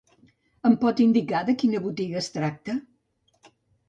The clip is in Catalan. Em pot indicar de quina botiga es tracta?